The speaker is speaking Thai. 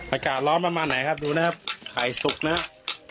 อากาศร้อนประมาณไหนครับดูนะครับไข่สุกนะครับ